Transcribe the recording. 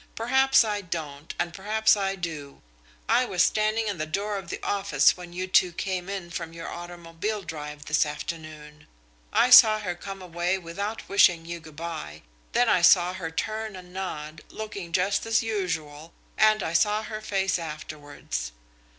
Perhaps I don't, and perhaps I do. I was standing in the door of the office when you two came in from your automobile drive this afternoon. I saw her come away without wishing you good by, then I saw her turn and nod, looking just as usual, and I saw her face afterwards.